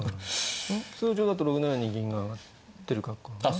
通常だと６七に銀が上がってる格好だね。